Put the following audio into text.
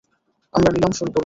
আমরা নিলাম শুরু করব।